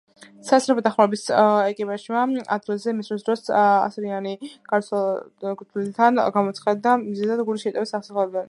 სასწრაფო დახმარების ეკიპაჟმა ადგილზე მისვლის დროს ასრიანი გარდაცვლილად გამოაცხადა და მიზეზად გულის შეტევას ასახელებდნენ.